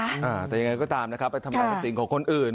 แต่ยังไงก็ตามนะครับไปทำงานกับสิ่งของคนอื่น